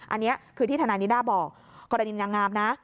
อันนี้คือที่ทนายนิด้าบอกกรณีนางงามนะ